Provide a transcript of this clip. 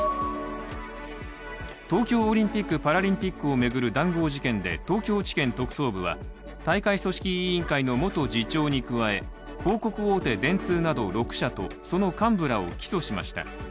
東京オリンピック・パラリンピックを巡る談合事件で東京地検特捜部は大会組織委員会の元次長に加え、広告大手電通など６社とその幹部らを起訴しました。